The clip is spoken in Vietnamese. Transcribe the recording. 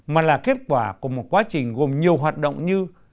mà là kết quả của một quá trình gồm nhiều hoạt động như